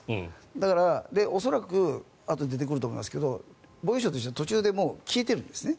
だから、恐らくあとで出てくると思いますが防衛省としてはもう途中で消えてるんですね。